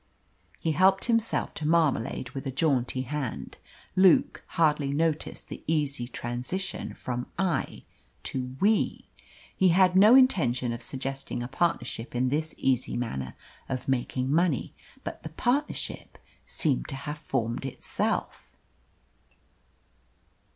He helped himself to marmalade with a jaunty hand. Luke hardly noticed the easy transition from "I" to "we." He had had no intention of suggesting a partnership in this easy manner of making money, but the partnership seemed to have formed itself.